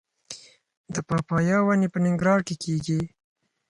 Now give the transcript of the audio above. د پاپایا ونې په ننګرهار کې کیږي؟